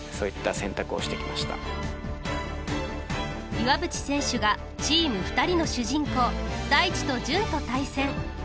岩渕選手が「チームふたり」の主人公大地と純と対戦。